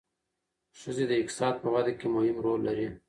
ښځې د اقتصاد په وده کې مهم رول لري.